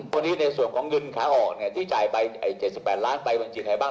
วันนี้ในส่วนของเงินขาออกที่จ่ายไป๗๘ล้านไปบัญชีใครบ้าง